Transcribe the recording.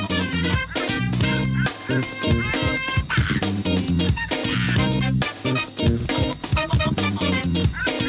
โปรดติดตามตอนต่อไป